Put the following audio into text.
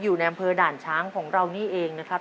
อยู่ในอำเภอด่านช้างของเรานี่เองนะครับ